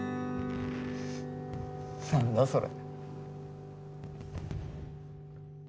何だそれ。